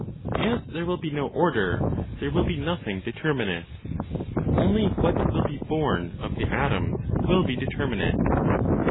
As there will be no order, there will be nothing determinate. Only what will be born of the atoms will be determinate.